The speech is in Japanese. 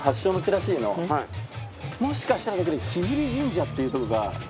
もしかしたらだけど聖神社っていうとこが。